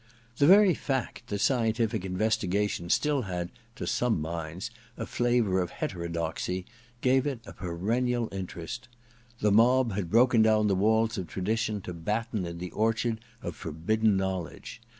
The very fact that scientific investigation still had, to some minds, the flavour of hetero doxy, gave it a perennial interest. The mob had broken down the walls of tradition to batten in the orchard of forbidden knowledge.